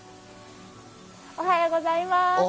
おはようございます。